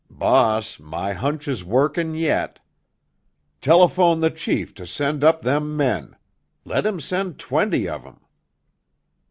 "Boss, my hunch is workin' yet! Telephone the chief to send up them men—let him send twenty of em!"